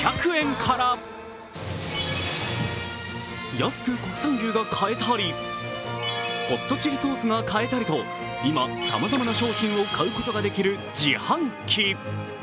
安く国産牛が買えたりホットチリソースが買えたりと今、さまざまな商品を買うことができる自販機。